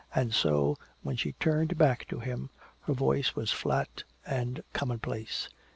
And so, when she turned back to him, her voice was flat and commonplace.